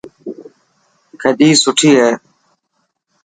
کجي سٺي هي.